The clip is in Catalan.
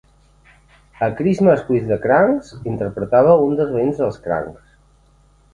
A "Christmas with the Kranks", interpretava un dels veïns dels Kranks.